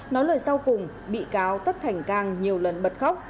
nói lời sau cùng bị cao tất thành càng nhiều lần bật khóc